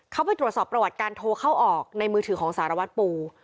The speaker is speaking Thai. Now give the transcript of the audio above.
เขาไปตรวจสอบประวัติการโทรเข้าออกในมือถือของสารวัตรปู